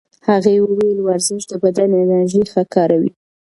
هغې وویل ورزش د بدن انرژي ښه کاروي.